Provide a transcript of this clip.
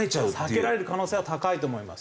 避けられる可能性は高いと思います。